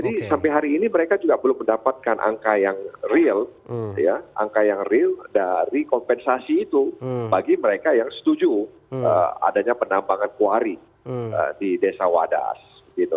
jadi sampai hari ini mereka juga belum mendapatkan angka yang real ya angka yang real dari kompensasi itu bagi mereka yang setuju adanya penambangan kuari di desa wadas gitu